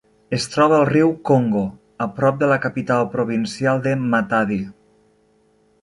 Es troba al riu Congo, a prop de la capital provincial de Matadi.